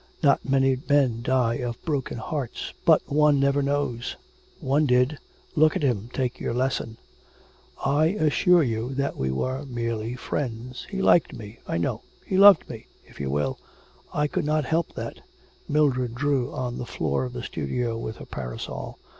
Not many men die of broken hearts, but one never knows. One did. Look at him, take your lesson.' 'I assure you that we were merely friends. He liked me, I know he loved me, if you will; I could not help that,' Mildred drew on the floor of the studio with her parasol.